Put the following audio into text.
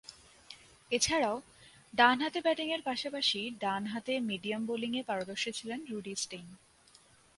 এছাড়াও, ডানহাতে ব্যাটিংয়ের পাশাপাশি ডানহাতে মিডিয়াম বোলিংয়ে পারদর্শী ছিলেন রুডি স্টেইন।